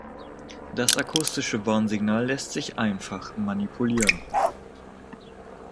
Das akustische Warnsignal lässt sich einfach manipulieren.